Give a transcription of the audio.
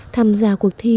tham gia cuộc thi